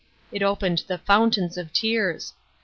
It opened the fountains of tears.